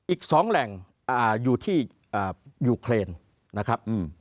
อีก๒แหล่งอยู่ที่ยูเครนนะครับ